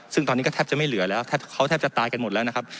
ซึ่งตอนนี้ก็แทบจะไม่เหลือแล้วเขาแทบจะตายกันหมดแล้วนะครับ